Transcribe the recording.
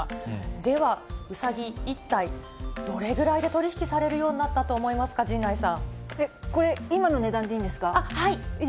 ではうさぎ、一体どれぐらいで取り引きされるようになったと思いますか、これ、今の値段でいいんですか。